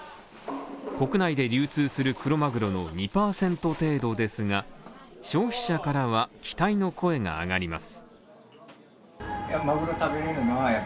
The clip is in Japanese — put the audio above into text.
国内で流通するクロマグロの２％程度ですが消費者からは期待の声が上がります。